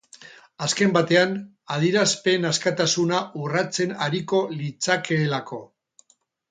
Azken batean, adierazpen askatasuna urratzen ariko litzakeelako.